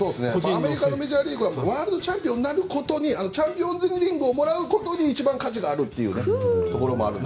アメリカのメジャーリーグはワールドチャンピオンになることチャンピオンズリングをもらうことに一番価値があるというところもあるので。